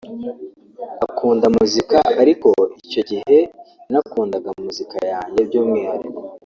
akunda muzika ariko icyo gihe yanakundaga muzika yanjye byumwihariko